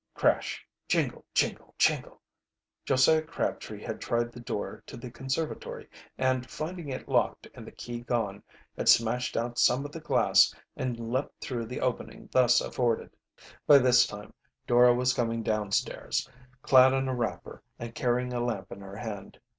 Crash! jingle! jingle! jingle! Josiah Crabtree had tried the door to the conservatory and finding it locked and the key gone, had smashed out some of the glass and leaped through the opening thus afforded. By this time Dora was coming downstairs, clad in a wrapper and carrying a lamp in her hand.